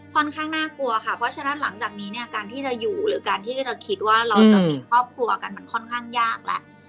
ค่อนข้างน่ากลัวค่ะเพราะฉะนั้นหลังจากนี้เนี่ยการที่จะอยู่หรือการที่จะคิดว่าเราจะมีครอบครัวกันมันค่อนข้างยากแหละ